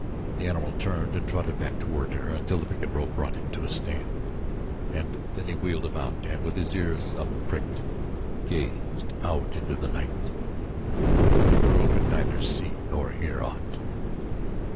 The animal turned and trotted back toward her until the picket rope brought him to a stand, and then he wheeled about and with ears up pricked gazed out into the night; but the girl could neither see nor hear aught.